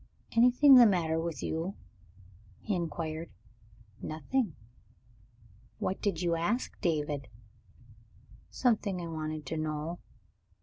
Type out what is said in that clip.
"Anything the matter with you?" he inquired. "Nothing. What did you ask David?" "Something I wanted to know."